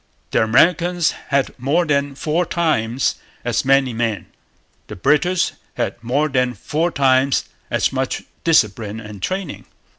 The Americans had more than four times as many men. The British had more than four times as much discipline and training.